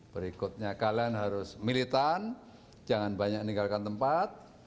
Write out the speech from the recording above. berikutnya kalian harus militan jangan banyak meninggalkan tempat